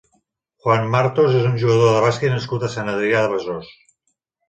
Juan Martos és un jugador de bàsquet nascut a Sant Adrià de Besòs.